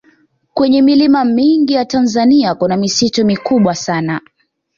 kwenye milima mingi ya tanzania kuna misitu mikubwa sana